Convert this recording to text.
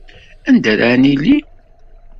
Anda ara nili?